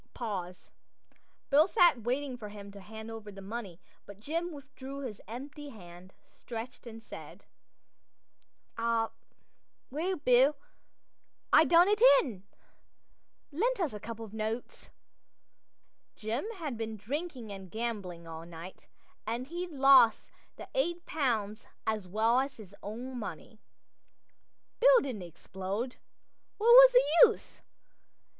Pause. Bill sat waiting for him to hand over the money; but Jim withdrew his hand empty, stretched, and said: "Ah, well, Bill, I done it in. Lend us a couple o' notes." Jim had been drinking and gambling all night and he'd lost the eight pounds as well as his own money. Bill didn't explode. What was the use?